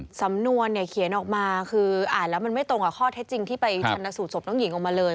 สำนวนเนี่ยเขียนออกมาคืออ่านแล้วมันไม่ตรงกับข้อเท็จจริงที่ไปชนสูตศพน้องหญิงออกมาเลย